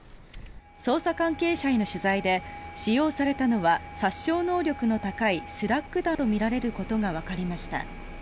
捜査関係者への取材で使用されたのは殺傷能力の高いスラッグ弾とみられることがわかりました。